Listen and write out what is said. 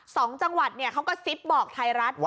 สองจังหวัดเนี่ยเขาก็ซิบบอกไทรรัฐ